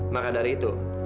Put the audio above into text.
maka dari itu